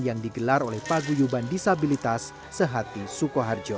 yang digelar oleh pak guyuban disabilitas sehati sukoharjo